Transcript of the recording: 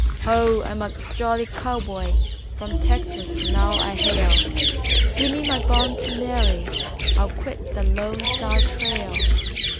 "Ho, I'm a jolly cowboy, from Texas now I hail, Give me my bond to Mary, I'll quit the Lone Star trail.